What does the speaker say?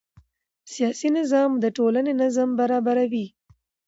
سیاسي نظام د ټولنې نظم برابروي